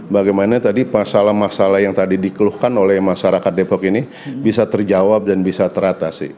bagaimana tadi masalah masalah yang tadi dikeluhkan oleh masyarakat depok ini bisa terjawab dan bisa teratasi